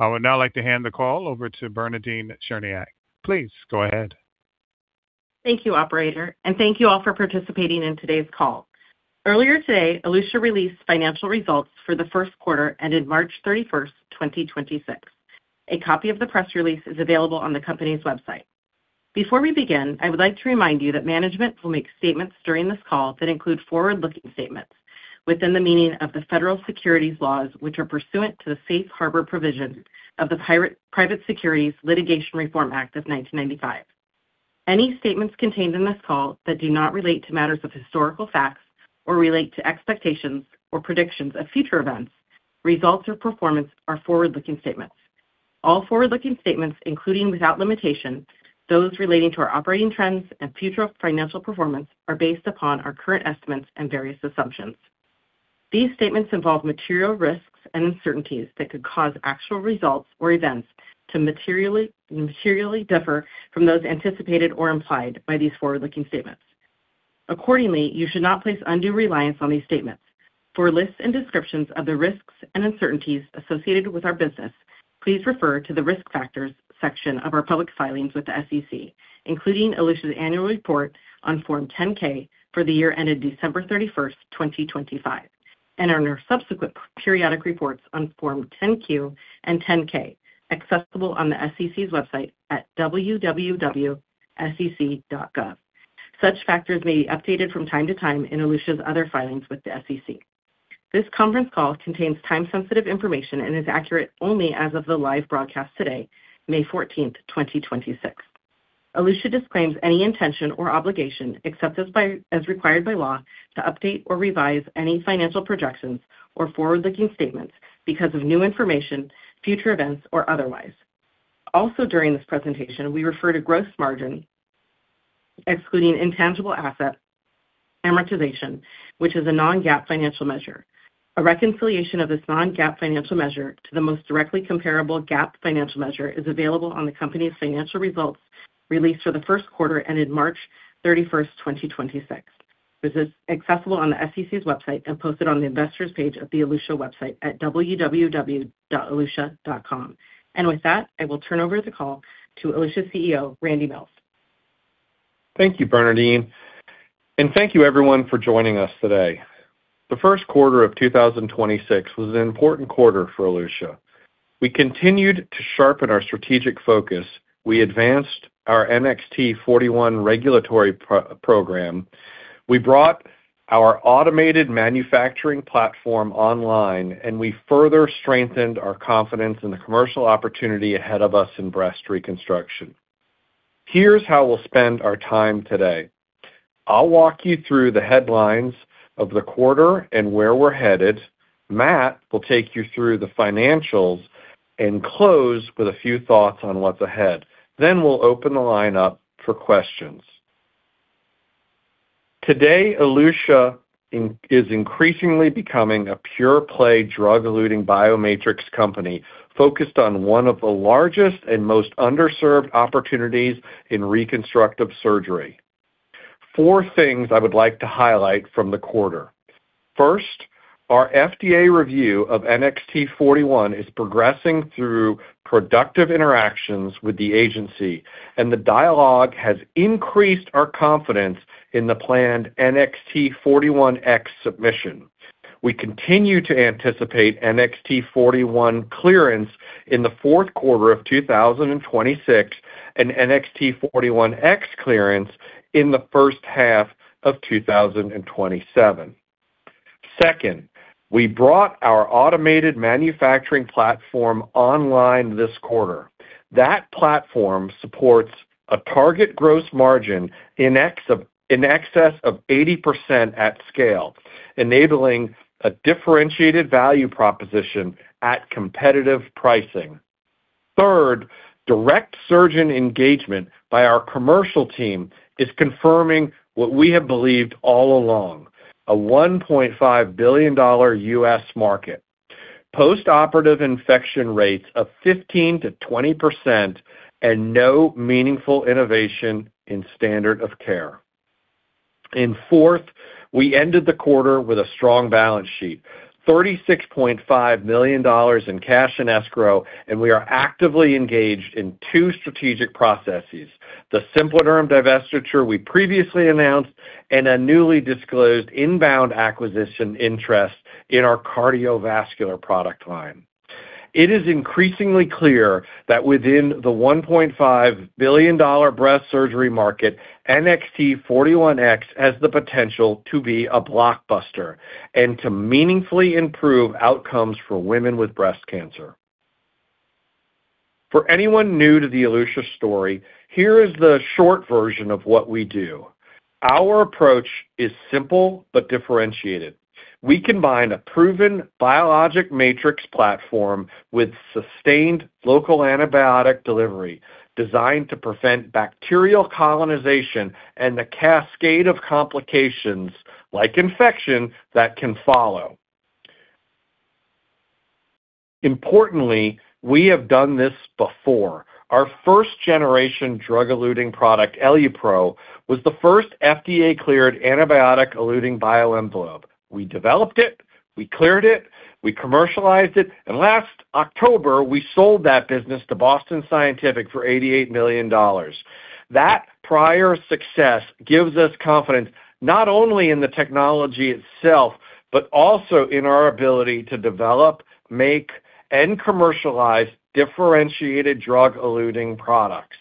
I would now like to hand the call over to Bernadine Cherniak. Please go ahead. Thank you, operator, and thank you all for participating in today's call. Earlier today, Elutia released financial results for the first quarter ended March 31st, 2026. A copy of the press release is available on the company's website. Before we begin, I would like to remind you that management will make statements during this call that include forward-looking statements within the meaning of the federal securities laws, which are pursuant to the Safe Harbor provisions of the Private Securities Litigation Reform Act of 1995. Any statements contained in this call that do not relate to matters of historical facts or relate to expectations or predictions of future events, results, or performance are forward-looking statements. All forward-looking statements, including without limitation those relating to our operating trends and future financial performance, are based upon our current estimates and various assumptions. These statements involve material risks and uncertainties that could cause actual results or events to materially differ from those anticipated or implied by these forward-looking statements. Accordingly, you should not place undue reliance on these statements. For lists and descriptions of the risks and uncertainties associated with our business, please refer to the Risk Factors section of our public filings with the SEC, including Elutia's annual report on Form 10-K for the year ended December 31st, 2025, and under subsequent periodic reports on Form 10-Q and 10-K, accessible on the SEC's website at www.sec.gov. Such factors may be updated from time to time in Elutia's other filings with the SEC. This conference call contains time-sensitive information and is accurate only as of the live broadcast today, May 14th, 2026. Elutia disclaims any intention or obligation, except as required by law, to update or revise any financial projections or forward-looking statements because of new information, future events, or otherwise. Also during this presentation, we refer to gross margin, excluding intangible asset amortization, which is a non-GAAP financial measure. A reconciliation of this non-GAAP financial measure to the most directly comparable GAAP financial measure is available on the company's financial results released for the first quarter ended March 31st, 2026. This is accessible on the SEC's website and posted on the Investors page of the Elutia website at www.elutia.com. With that, I will turn over the call to Elutia's CEO, Randy Mills. Thank you, Bernadine. Thank you, everyone, for joining us today. The first quarter of 2026 was an important quarter for Elutia. We continued to sharpen our strategic focus. We advanced our NXT-41 regulatory program. We brought our automated manufacturing platform online, and we further strengthened our confidence in the commercial opportunity ahead of us in breast reconstruction. Here's how we'll spend our time today. I'll walk you through the headlines of the quarter and where we're headed. Matt will take you through the financials and close with a few thoughts on what's ahead. We'll open the line up for questions. Today, Elutia is increasingly becoming a pure-play drug-eluting biomatrix company focused on one of the largest and most underserved opportunities in reconstructive surgery. Four things I would like to highlight from the quarter. First, our FDA review of NXT-41 is progressing through productive interactions with the agency, and the dialogue has increased our confidence in the planned NXT-41x submission. We continue to anticipate NXT-41 clearance in the fourth quarter of 2026 and NXT-41x clearance in the first half of 2027. Second, we brought our automated manufacturing platform online this quarter. That platform supports a target gross margin in excess of 80% at scale, enabling a differentiated value proposition at competitive pricing. Third, direct surgeon engagement by our commercial team is confirming what we have believed all along, a $1.5 billion U.S. market, postoperative infection rates of 15%-20%, and no meaningful innovation in standard of care. Fourth, we ended the quarter with a strong balance sheet, $36.5 million in cash in escrow, and we are actively engaged in two strategic processes: the SimpliDerm divestiture we previously announced and a newly disclosed inbound acquisition interest in our cardiovascular product line. It is increasingly clear that within the $1.5 billion breast surgery market, NXT-41x has the potential to be a blockbuster and to meaningfully improve outcomes for women with breast cancer. For anyone new to the Elutia story, here is the short version of what we do. Our approach is simple but differentiated. We combine a proven biologic matrix platform with sustained local antibiotic delivery designed to prevent bacterial colonization and the cascade of complications like infection that can follow. Importantly, we have done this before. Our first-generation drug-eluting product, EluPro, was the first FDA-cleared antibiotic-eluting bioenvelope. We developed it, we cleared it, we commercialized it. Last October, we sold that business to Boston Scientific for $88 million. That prior success gives us confidence not only in the technology itself, but also in our ability to develop, make, and commercialize differentiated drug-eluting products.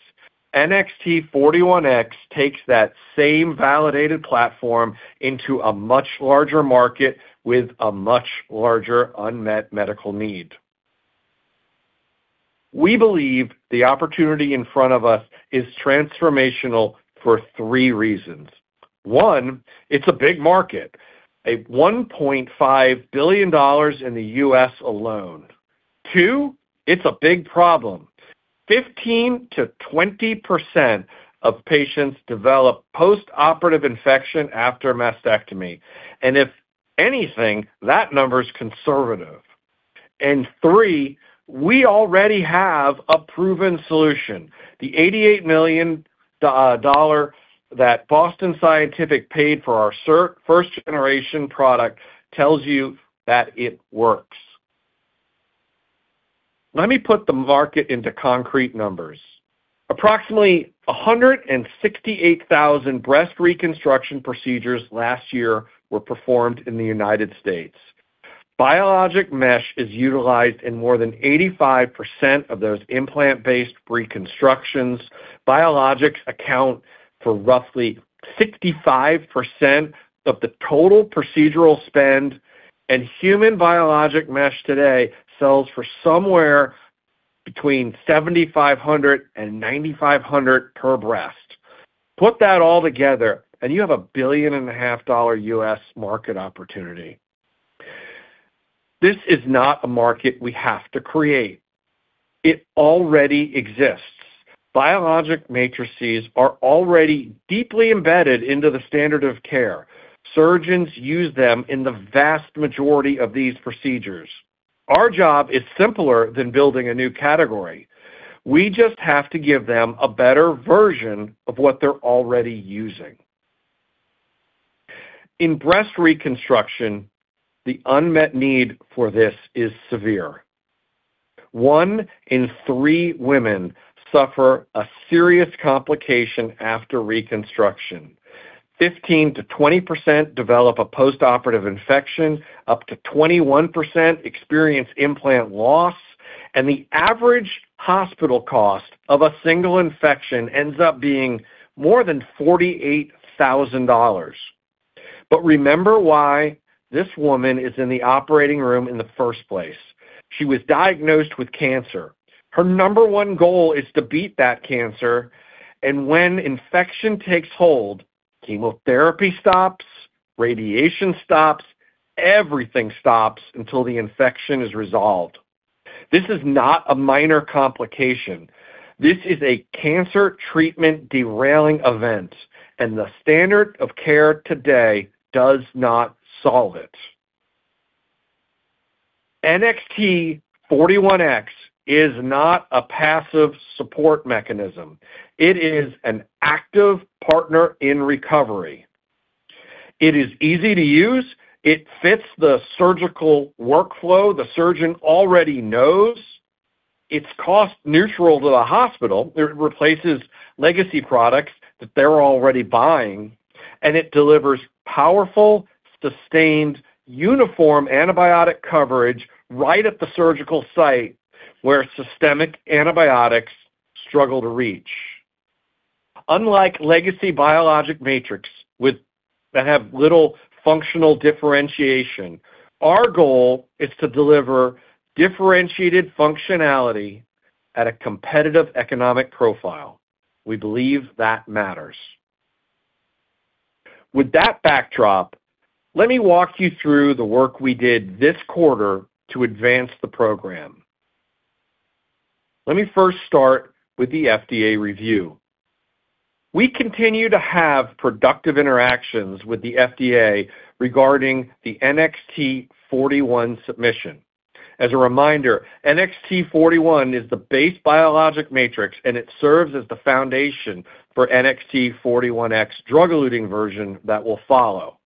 NXT-41x takes that same validated platform into a much larger market with a much larger unmet medical need. We believe the opportunity in front of us is transformational for three reasons. One, it's a big market, a $1.5 billion in the U.S. alone. Two, it's a big problem. 15%-20% of patients develop postoperative infection after mastectomy. If anything, that number is conservative. Three, we already have a proven solution. The $88 million that Boston Scientific paid for our first-generation product tells you that it works. Let me put the market into concrete numbers. Approximately 168,000 breast reconstruction procedures last year were performed in the United States. Biologic mesh is utilized in more than 85% of those implant-based reconstructions. Biologics account for roughly 65% of the total procedural spend, and human biologic mesh today sells for somewhere between $7,500 and $9,500 per breast. Put that all together, you have a $1.5 billion U.S. market opportunity. This is not a market we have to create. It already exists. Biologic matrices are already deeply embedded into the standard of care. Surgeons use them in the vast majority of these procedures. Our job is simpler than building a new category. We just have to give them a better version of what they're already using. In breast reconstruction, the unmet need for this is severe. One in three women suffer a serious complication after reconstruction. 15%-20% develop a postoperative infection. Up to 21% experience implant loss, and the average hospital cost of a single infection ends up being more than $48,000. Remember why this woman is in the operating room in the first place. She was diagnosed with cancer. Her number one goal is to beat that cancer, and when infection takes hold, chemotherapy stops, radiation stops, everything stops until the infection is resolved. This is not a minor complication. This is a cancer treatment derailing event, and the standard of care today does not solve it. NXT-41x is not a passive support mechanism. It is an active partner in recovery. It is easy to use. It fits the surgical workflow the surgeon already knows. It's cost neutral to the hospital. It replaces legacy products that they're already buying, and it delivers powerful, sustained, uniform antibiotic coverage right at the surgical site where systemic antibiotics struggle to reach. Unlike legacy biologic matrix that have little functional differentiation, our goal is to deliver differentiated functionality at a competitive economic profile. We believe that matters. With that backdrop, let me walk you through the work we did this quarter to advance the program. Let me first start with the FDA review. We continue to have productive interactions with the FDA regarding the NXT-41 submission. As a reminder, NXT-41 is the base biologic matrix, it serves as the foundation for NXT-41x drug-eluting version that will follow.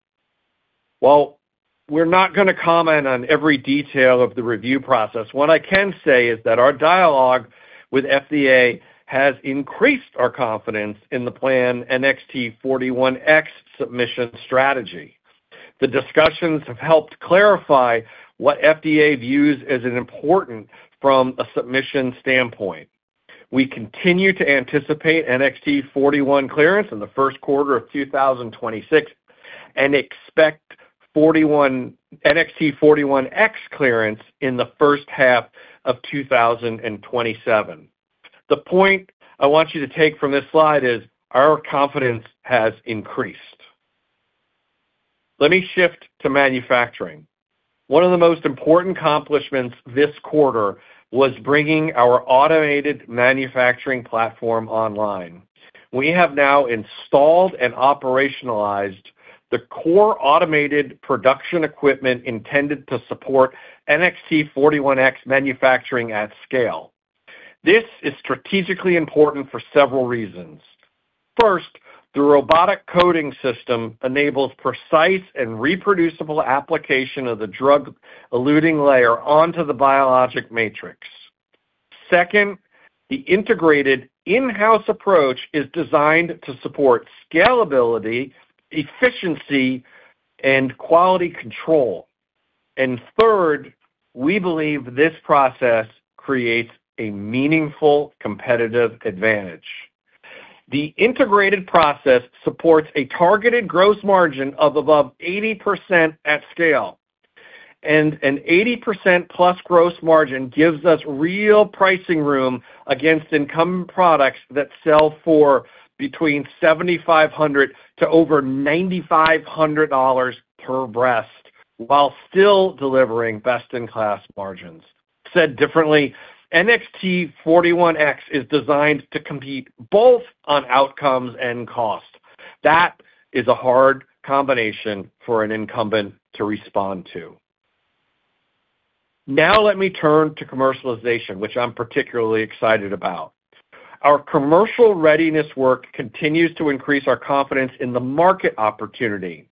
We're not gonna comment on every detail of the review process, what I can say is that our dialogue with FDA has increased our confidence in the planned NXT-41x submission strategy. The discussions have helped clarify what FDA views as an important from a submission standpoint. We continue to anticipate NXT-41 clearance in the first quarter of 2026 and expect NXT-41x clearance in the first half of 2027. The point I want you to take from this slide is our confidence has increased. Let me shift to manufacturing. One of the most important accomplishments this quarter was bringing our automated manufacturing platform online. We have now installed and operationalized the core automated production equipment intended to support NXT-41x manufacturing at scale. This is strategically important for several reasons. First, the robotic coating system enables precise and reproducible application of the drug-eluting layer onto the biologic matrix. Second, the integrated in-house approach is designed to support scalability, efficiency, and quality control. Third, we believe this process creates a meaningful competitive advantage. The integrated process supports a targeted gross margin of above 80% at scale. An 80%+ gross margin gives us real pricing room against incumbent products that sell for between $7,500 to over $9,500 per breast while still delivering best-in-class margins. Said differently, NXT-41x is designed to compete both on outcomes and cost. That is a hard combination for an incumbent to respond to. Let me turn to commercialization, which I'm particularly excited about. Our commercial readiness work continues to increase our confidence in the market opportunity.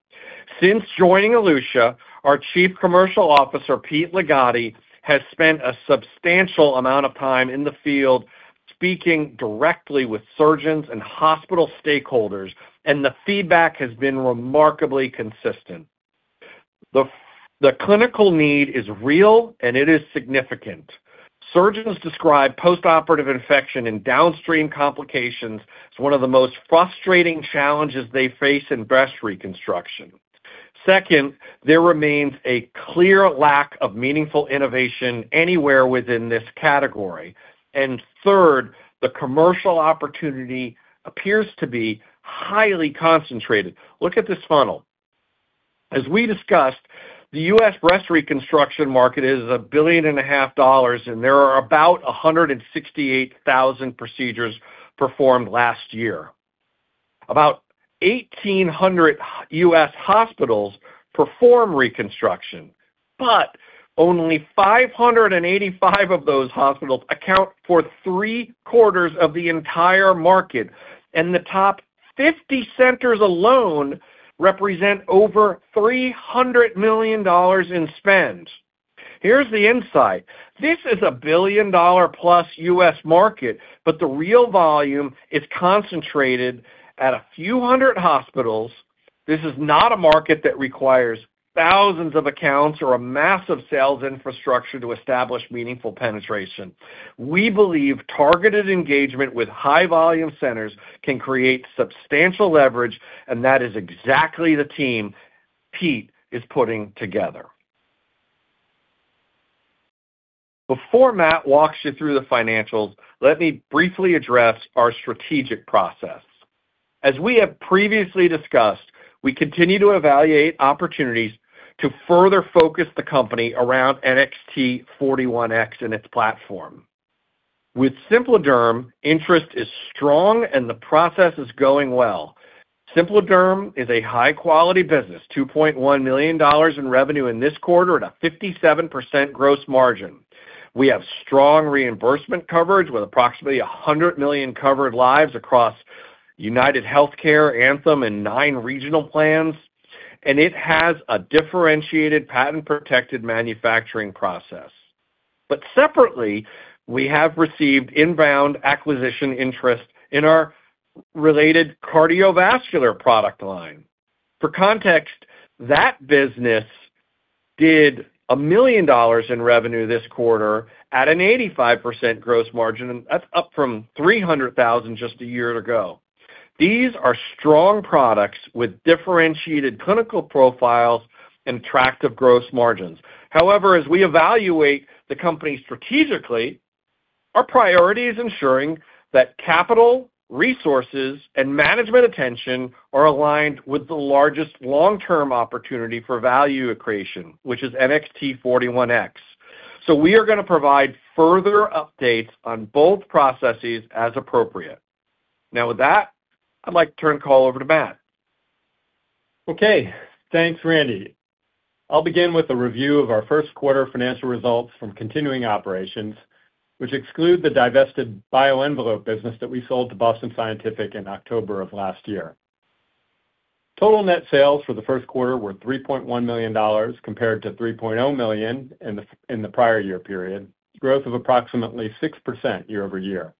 Since joining Elutia, our Chief Commercial Officer, Pete Ligotti, has spent a substantial amount of time in the field speaking directly with surgeons and hospital stakeholders, and the feedback has been remarkably consistent. The clinical need is real, and it is significant. Surgeons describe postoperative infection and downstream complications as one of the most frustrating challenges they face in breast reconstruction. Second, there remains a clear lack of meaningful innovation anywhere within this category. Third, the commercial opportunity appears to be highly concentrated. Look at this funnel. As we discussed, the U.S. breast reconstruction market is $1.5 billion. There are about 168,000 procedures performed last year. About 1,800 U.S. hospitals perform reconstruction, but only 585 of those hospitals account for 3/4 of the entire market. The top 50 centers alone represent over $300 million in spend. Here's the insight. This is a billion-dollar-plus U.S. market. The real volume is concentrated at a few hundred hospitals. This is not a market that requires thousands of accounts or a massive sales infrastructure to establish meaningful penetration. We believe targeted engagement with high-volume centers can create substantial leverage. That is exactly the team Pete is putting together. Before Matt walks you through the financials, let me briefly address our strategic process. As we have previously discussed, we continue to evaluate opportunities to further focus the company around NXT-41x and its platform. With SimpliDerm, interest is strong. The process is going well. SimpliDerm is a high-quality business, $2.1 million in revenue in this quarter at a 57% gross margin. We have strong reimbursement coverage with approximately 100 million covered lives across UnitedHealthcare, Anthem, and nine regional plans. It has a differentiated patent-protected manufacturing process. Separately, we have received inbound acquisition interest in our related cardiovascular product line. For context, that business did $1 million in revenue this quarter at an 85% gross margin. That's up from $300,000 just a year ago. These are strong products with differentiated clinical profiles and attractive gross margins. However, as we evaluate the company strategically, our priority is ensuring that capital, resources, and management attention are aligned with the largest long-term opportunity for value accretion, which is NXT-41x. We are gonna provide further updates on both processes as appropriate. Now, with that, I'd like to turn the call over to Matt. Okay. Thanks, Randy. I'll begin with a review of our first quarter financial results from continuing operations, which exclude the divested BioEnvelope business that we sold to Boston Scientific in October of last year. Total net sales for the first quarter were $3.1 million compared to $3.0 million in the prior year period, growth of approximately 6% year-over-year.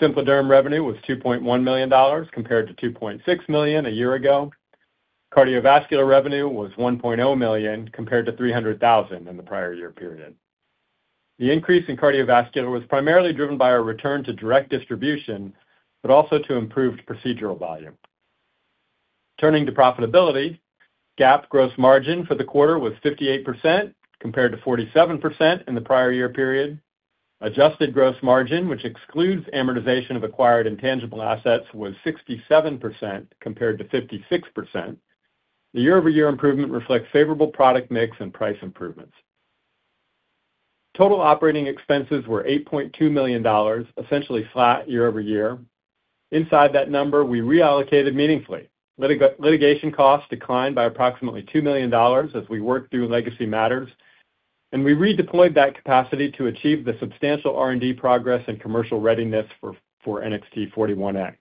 SimpliDerm revenue was $2.1 million compared to $2.6 million a year ago. Cardiovascular revenue was $1.0 million compared to $300,000 in the prior year period. The increase in cardiovascular was primarily driven by our return to direct distribution, also to improved procedural volume. Turning to profitability, GAAP gross margin for the quarter was 58% compared to 47% in the prior year period. Adjusted gross margin, which excludes amortization of acquired intangible assets, was 67% compared to 56%. The year-over-year improvement reflects favorable product mix and price improvements. Total operating expenses were $8.2 million, essentially flat year-over-year. Inside that number, we reallocated meaningfully. Litigation costs declined by approximately $2 million as we worked through legacy matters. We redeployed that capacity to achieve the substantial R&D progress and commercial readiness for NXT-41x.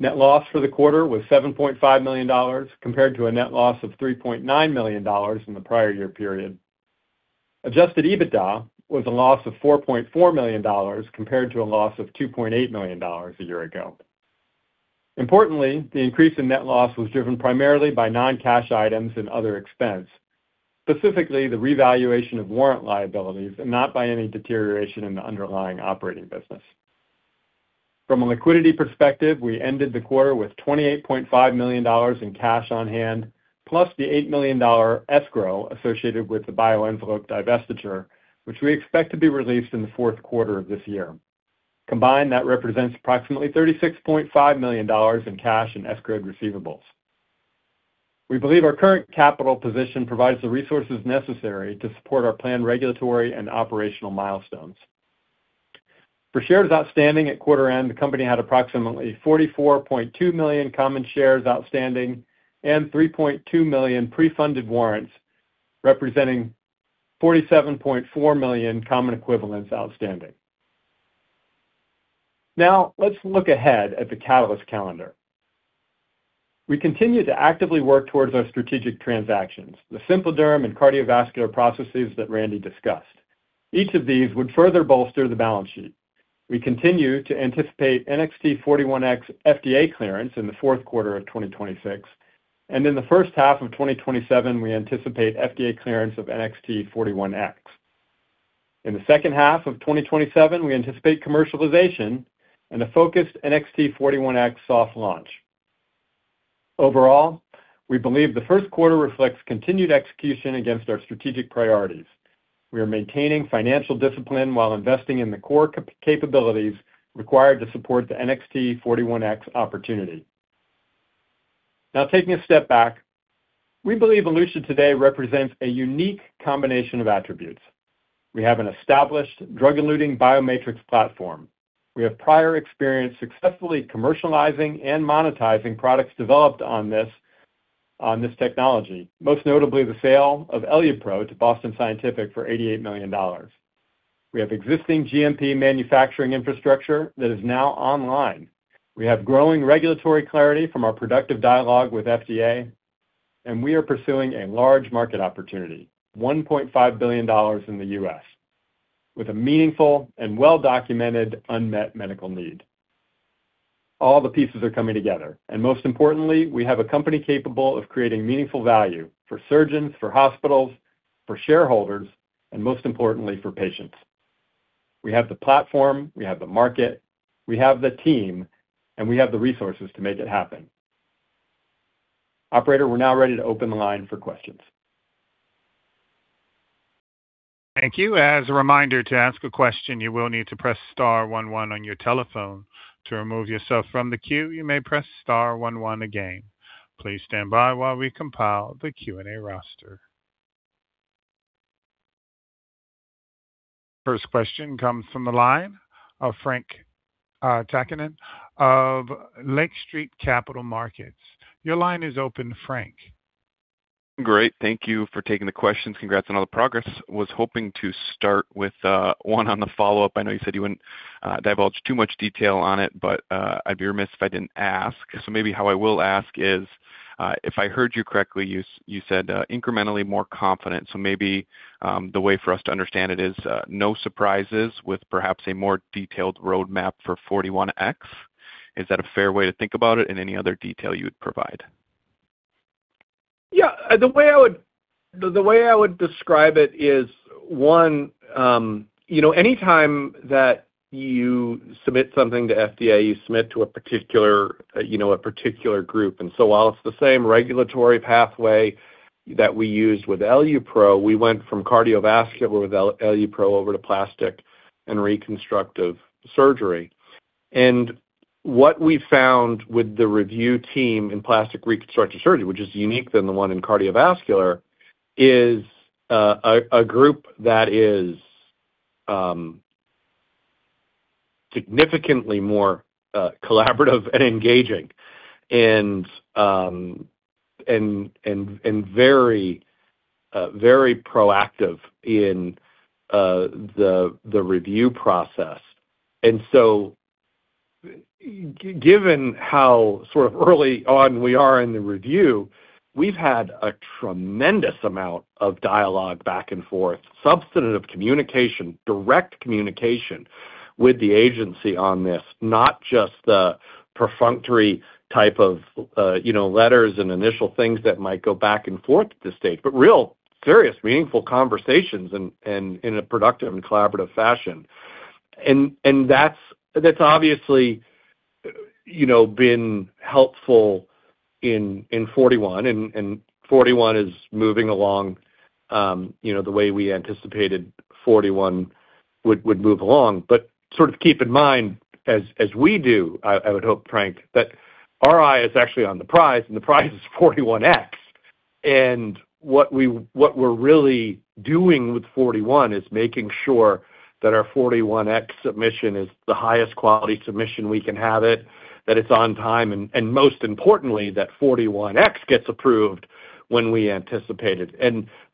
Net loss for the quarter was $7.5 million compared to a net loss of $3.9 million in the prior year period. Adjusted EBITDA was a loss of $4.4 million compared to a loss of $2.8 million a year ago. Importantly, the increase in net loss was driven primarily by non-cash items and other expense, specifically the revaluation of warrant liabilities and not by any deterioration in the underlying operating business. From a liquidity perspective, we ended the quarter with $28.5 million in cash on hand, plus the $8 million escrow associated with the BioEnvelope divestiture, which we expect to be released in the fourth quarter of this year. Combined, that represents approximately $36.5 million in cash and escrowed receivables. We believe our current capital position provides the resources necessary to support our planned regulatory and operational milestones. For shares outstanding at quarter end, the company had approximately 44.2 million common shares outstanding and 3.2 million pre-funded warrants, representing 47.4 million common equivalents outstanding. Now let's look ahead at the catalyst calendar. We continue to actively work towards our strategic transactions, the SimpliDerm and cardiovascular processes that Randy discussed. Each of these would further bolster the balance sheet. We continue to anticipate NXT-41x FDA clearance in the fourth quarter of 2026, and in the first half of 2027, we anticipate FDA clearance of NXT-41x. In the second half of 2027, we anticipate commercialization and a focused NXT-41x soft launch. Overall, we believe the first quarter reflects continued execution against our strategic priorities. We are maintaining financial discipline while investing in the core capabilities required to support the NXT-41x opportunity. Now taking a step back, we believe Elutia today represents a unique combination of attributes. We have an established drug-eluting biomatrix platform. We have prior experience successfully commercializing and monetizing products developed on this technology, most notably the sale of EluPro to Boston Scientific for $88 million. We have existing GMP manufacturing infrastructure that is now online. We have growing regulatory clarity from our productive dialogue with FDA, and we are pursuing a large market opportunity, $1.5 billion in the U.S., with a meaningful and well-documented unmet medical need. All the pieces are coming together, most importantly, we have a company capable of creating meaningful value for surgeons, for hospitals, for shareholders, and most importantly, for patients. We have the platform, we have the market, we have the team, and we have the resources to make it happen. Operator, we're now ready to open the line for questions. Thank you. As a reminder, to ask a question, you will need to press star one one on your telephone. To remove yourself from the queue, you may press star one one again. Please stand by while we compile the Q&A roster. First question comes from the line of Frank Takkinen of Lake Street Capital Markets. Your line is open, Frank. Great. Thank you for taking the questions. Congrats on all the progress. Was hoping to start with one on the follow-up. I know you said you wouldn't divulge too much detail on it, but I'd be remiss if I didn't ask. Maybe how I will ask is, if I heard you correctly, you said incrementally more confident. Maybe the way for us to understand it is, no surprises with perhaps a more detailed roadmap for 41x. Is that a fair way to think about it and any other detail you would provide? Yeah. The way I would describe it is, one, you know, anytime that you submit something to FDA, you submit to a particular, you know, a particular group. While it's the same regulatory pathway that we used with EluPro, we went from cardiovascular with EluPro over to plastic and reconstructive surgery. What we found with the review team in plastic reconstructive surgery, which is unique than the one in cardiovascular, is a group that is significantly more collaborative and engaging and very proactive in the review process. Given how sort of early on we are in the review, we've had a tremendous amount of dialogue back and forth, substantive communication, direct communication with the agency on this, not just the perfunctory type of, you know, letters and initial things that might go back and forth at this stage, but real serious, meaningful conversations in a productive and collaborative fashion. That's obviously, you know, been helpful in 41 and 41 is moving along, you know, the way we anticipated 41 would move along. Sort of keep in mind as we do, I would hope, Frank, that our eye is actually on the prize, and the prize is 41x. What we're really doing with 41 is making sure that our 41x submission is the highest quality submission we can have it, that it's on time, and most importantly, that 41x gets approved when we anticipate it.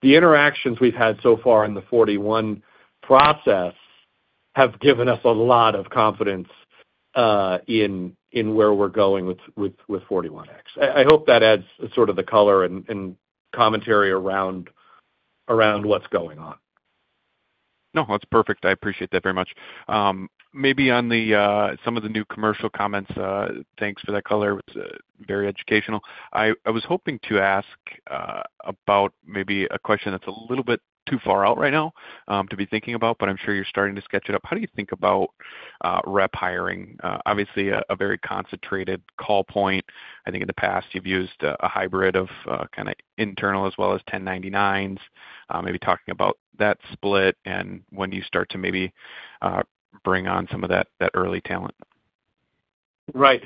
The interactions we've had so far in the 41 process have given us a lot of confidence in where we're going with 41x. I hope that adds sort of the color and commentary around what's going on. No, that's perfect. I appreciate that very much. Maybe on the some of the new commercial comments, thanks for that color. It's very educational. I was hoping to ask about maybe a question that's a little bit too far out right now to be thinking about, but I'm sure you're starting to sketch it up. How do you think about rep hiring? Obviously a very concentrated call point. I think in the past you've used a hybrid of kinda internal as well as 1099s. Maybe talking about that split and when do you start to bring on some of that early talent. Right.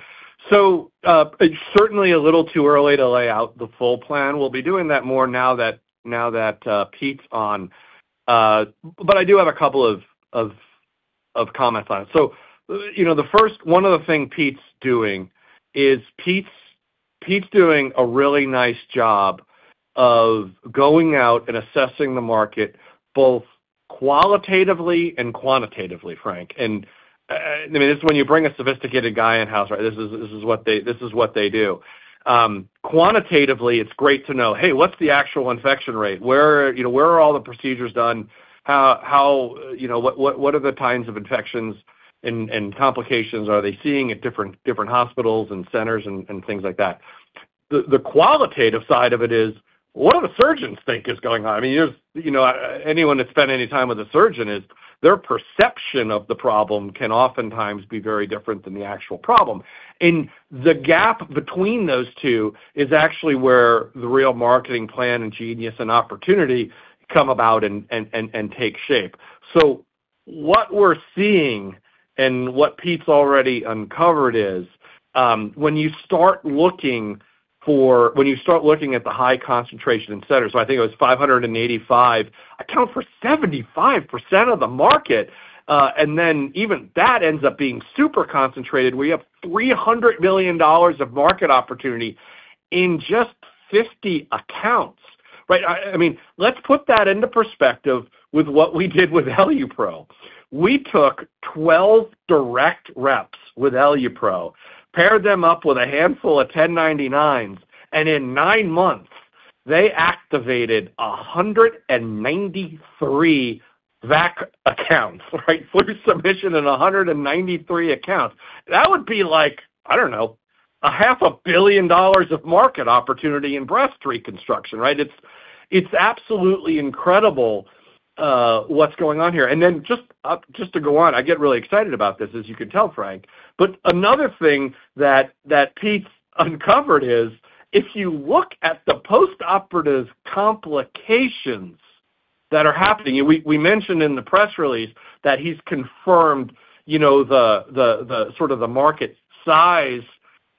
It's certainly a little too early to lay out the full plan. We'll be doing that more now that, now that Pete's on. I do have a couple of comments on it. You know, the first one of the thing Pete's doing is Pete's doing a really nice job of going out and assessing the market both qualitatively and quantitatively, Frank. I mean, it's when you bring a sophisticated guy in-house, right? This is what they do. Quantitatively it's great to know, hey, what's the actual infection rate? Where, you know, where are all the procedures done? How, you know, what are the kinds of infections and complications are they seeing at different hospitals and centers and things like that. The qualitative side of it is, what do the surgeons think is going on? I mean, there's, you know, anyone that's spent any time with a surgeon is their perception of the problem can oftentimes be very different than the actual problem. The gap between those two is actually where the real marketing plan and genius and opportunity come about and take shape. What we're seeing and what Pete's already uncovered is, when you start looking at the high concentration centers, I think it was 585 account for 75% of the market. Even that ends up being super concentrated, we have $300 million of market opportunity in just 50 accounts. Right? I mean, let's put that into perspective with what we did with EluPro. We took 12 direct reps with EluPro, paired them up with a handful of 1099s, and in nine months they activated 193 VAC accounts, right? Through submission in 193 accounts. That would be like, I don't know, a $500 million dollars of market opportunity in breast reconstruction, right? It's absolutely incredible what's going on here. Just to go on, I get really excited about this, as you can tell, Frank. Another thing that Pete's uncovered is, if you look at the postoperative complications that are happening, and we mentioned in the press release that he's confirmed, you know, the sort of the market size,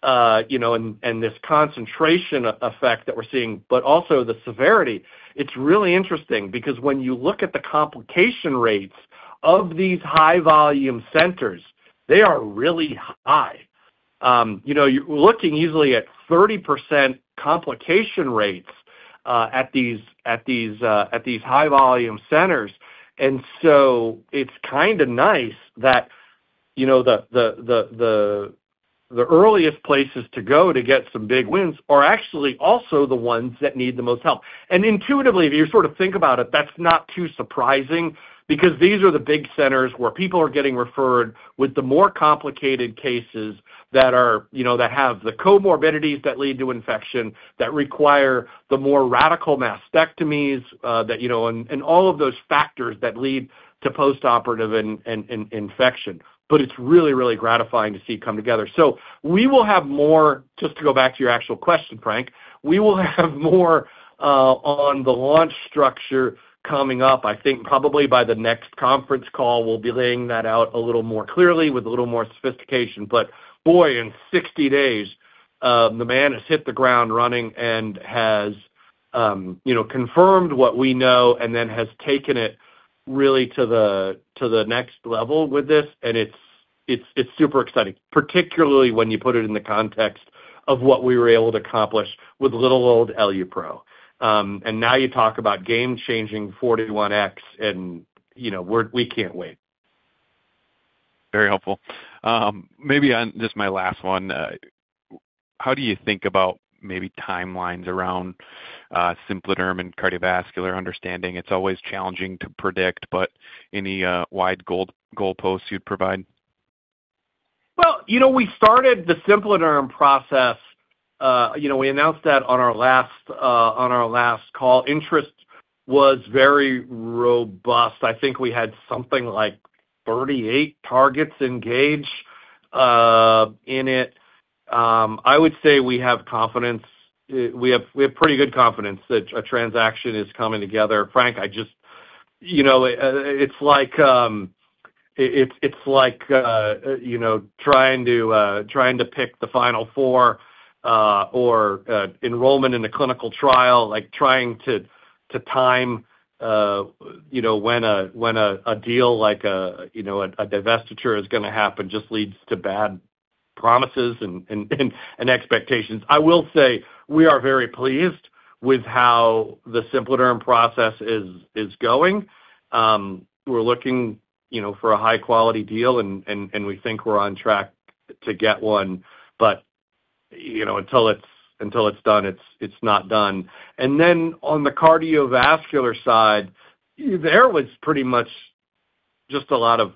and this concentration effect that we're seeing, but also the severity. It's really interesting because when you look at the complication rates of these high volume centers, they are really high. You know, you're looking easily at 30% complication rates at these high volume centers. It's kinda nice that, you know, the earliest places to go to get some big wins are actually also the ones that need the most help. Intuitively, if you sort of think about it, that's not too surprising because these are the big centers where people are getting referred with the more complicated cases that are, you know, that have the comorbidities that lead to infection, that require the more radical mastectomies, that, you know, and all of those factors that lead to postoperative infection. It's really gratifying to see it come together. We will have more just to go back to your actual question, Frank. We will have more on the launch structure coming up. I think probably by the next conference call we'll be laying that out a little more clearly with a little more sophistication. Boy, in 60 days, the man has hit the ground running and has, you know, confirmed what we know and then has taken it really to the, to the next level with this. It's super exciting, particularly when you put it in the context of what we were able to accomplish with little old EluPro. Now you talk about game-changing 41x and, you know, we can't wait. Very helpful. Maybe on just my last one. How do you think about maybe timelines around SimpliDerm and cardiovascular understanding? It's always challenging to predict, but any wide goalposts you'd provide? Well, you know, we started the SimpliDerm process. You know, we announced that on our last on our last call. Interest was very robust. I think we had something like 38 targets engaged in it. I would say we have confidence. We have pretty good confidence that a transaction is coming together. Frank, I just you know, it's like, it's like, you know, trying to trying to pick the final four or enrollment in the clinical trial, like trying to time, you know, when a deal like a, you know, a divestiture is gonna happen just leads to bad promises and expectations. I will say we are very pleased with how the SimpliDerm process is going. We're looking, you know, for a high quality deal and we think we're on track to get one. You know, until it's, until it's done, it's not done. On the cardiovascular side, there was pretty much just a lot of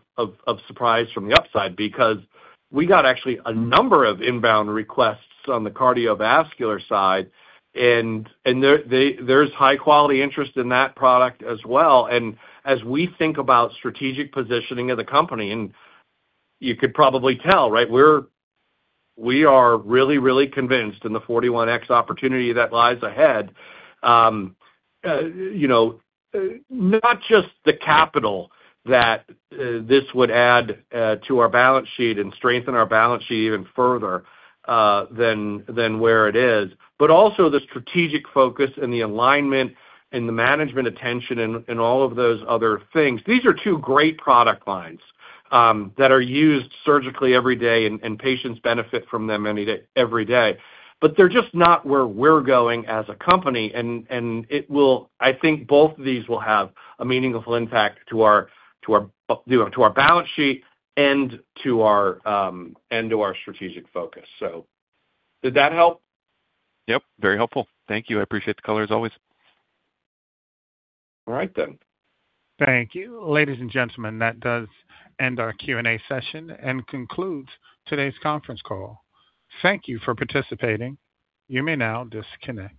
surprise from the upside because we got actually a number of inbound requests on the cardiovascular side, and there's high quality interest in that product as well. As we think about strategic positioning of the company, and you could probably tell, right? We are really convinced in the 41x opportunity that lies ahead. You know, not just the capital that this would add to our balance sheet and strengthen our balance sheet even further than where it is, but also the strategic focus and the alignment and the management attention and all of those other things. These are two great product lines that are used surgically every day, and patients benefit from them any day, every day. They're just not where we're going as a company. It will-- I think both of these will have a meaningful impact to our, to our, you know, to our balance sheet and to our, and to our strategic focus. Did that help? Yep, very helpful. Thank you. I appreciate the color as always. All right, then. Thank you. Ladies and gentlemen, that does end our Q&A session and concludes today's conference call. Thank you for participating. You may now disconnect.